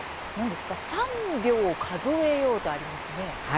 ３秒数えよう！とありますね。